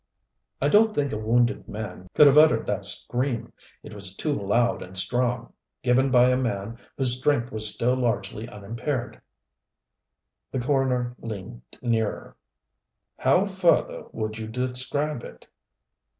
"I don't think a wounded man could have uttered that scream. It was too loud and strong given by a man whose strength was still largely unimpaired." The coroner leaned nearer. "How further would you describe it?"